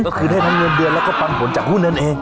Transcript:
ก็คือได้ทั้งเงินเดือนแล้วก็ปันผลจากหุ้นนั่นเอง